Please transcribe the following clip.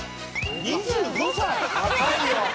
「２５歳？」